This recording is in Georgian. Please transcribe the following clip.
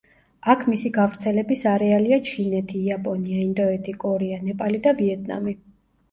აქ მისი გავრცელების არეალია ჩინეთი, იაპონია, ინდოეთი, კორეა, ნეპალი და ვიეტნამი.